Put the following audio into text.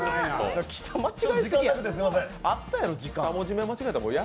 あったやろ、時間。